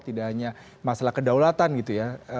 tidak hanya masalah kedaulatan gitu ya